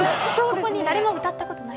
ここに誰も歌ったことがない？